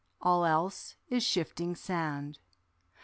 All else is shifting sand.